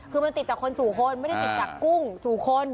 คือมันติดจากคนสู่คนไม่ได้ติดจากกุ้งสู่คน